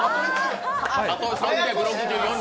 あと３６４日。